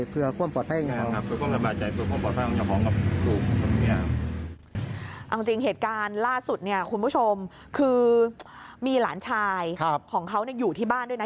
เอาจริงเหตุการณ์ล่าสุดเนี่ยคุณผู้ชมคือมีหลานชายของเขาอยู่ที่บ้านด้วยนะ